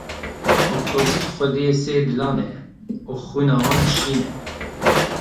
Octopus xwediya sê dilan e, û xwîna wan şîn e.